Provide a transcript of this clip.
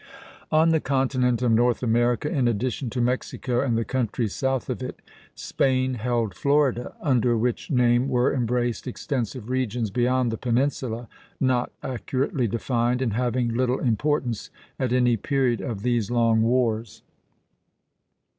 On the continent of North America, in addition to Mexico and the countries south of it, Spain held Florida; under which name were embraced extensive regions beyond the peninsula, not accurately defined, and having little importance at any period of these long wars.